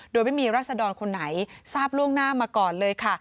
โดยไม่มีรัศดรคนไหนทราบล่วงหน้ามาก่อนเลยค่ะ